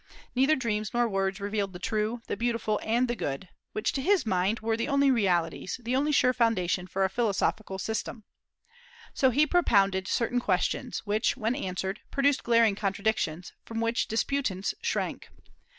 Neither dreams nor words revealed the true, the beautiful, and the good, which, to his mind, were the only realities, the only sure foundation for a philosophical system. So he propounded certain questions, which, when answered, produced glaring contradictions, from which disputants shrank.